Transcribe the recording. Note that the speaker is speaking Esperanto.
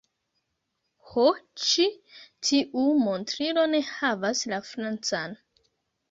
Ho ĉi tiu montrilo ne havas la francan